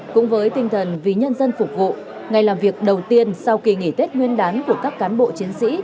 cũng với tinh thần vì nhân dân phục vụ ngày làm việc đầu tiên sau kỳ nghỉ tết nguyên đán của các cán bộ chiến sĩ